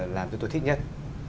làm cho tôi thích nhất